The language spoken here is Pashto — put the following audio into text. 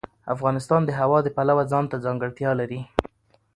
افغانستان د هوا د پلوه ځانته ځانګړتیا لري.